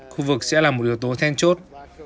khu vực sẽ là một yếu tố then chốt